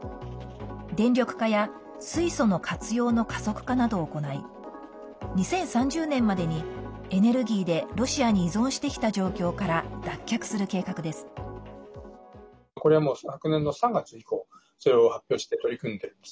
電力化や水素の活用の加速化などを行い２０３０年までにエネルギーでロシアに依存してきた状況から脱却する計画です。